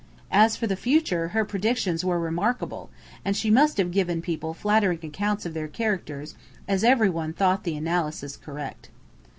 As for the future, her predictions were remarkable; and she must have given people flattering accounts of their characters, as everyone thought the analysis correct.